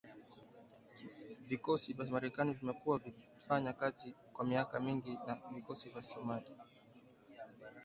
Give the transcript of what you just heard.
Vikosi vya Marekani vimekuwa vikifanya kazi kwa miaka mingi na vikosi vya Somalia